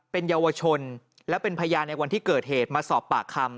เป็นเยาวชนและเป็นพยานในวันที่เกิดเหตุมาสอบปากคำ